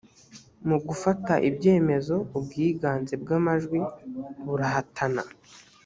mu gufata ibyemezo ubwiganze bw amajwi burahatana